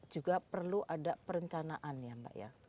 juga perlu ada perencanaan ya mbak ya